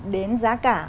đến giá cả